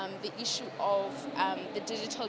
masalah perangkat muda masalah perangkat digital